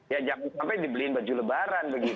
ya jangan sampai dibeliin baju lebaran begitu